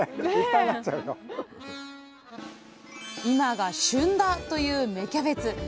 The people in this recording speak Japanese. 今が旬だという芽キャベツ。